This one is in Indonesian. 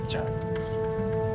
padahal udah dipecat